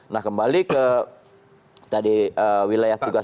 nah kembali ke tadi wilayah tugas